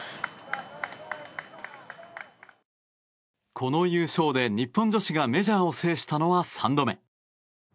この優勝で日本女子がメジャーを制したのは３度目。